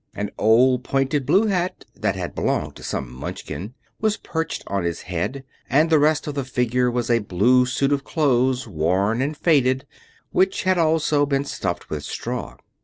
An old, pointed blue hat, that had belonged to some Munchkin, was perched on his head, and the rest of the figure was a blue suit of clothes, worn and faded, which had also been stuffed with straw.